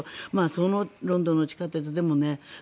そのロンドンの地下鉄でもね。